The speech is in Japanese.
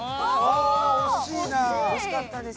惜しかったです。